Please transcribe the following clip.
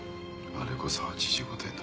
あれこそ８５点だ。